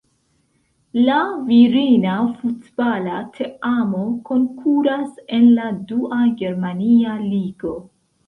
La virina futbala teamo konkuras en la dua germania ligo.